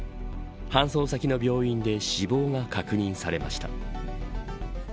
搬送先の病院で死亡が確認されました。